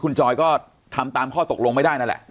คุณจอยก็ทำตามข้อตกลงไม่ได้นั่นแหละ